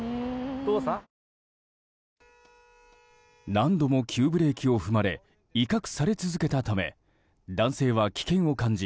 何度も急ブレーキを踏まれ威嚇され続けたため男性は危険を感じ